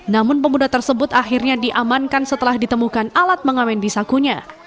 namun pemuda tersebut akhirnya diamankan setelah ditemukan alat mengamen di sakunya